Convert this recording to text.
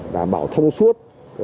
đảm bảo thông suốt